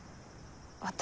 私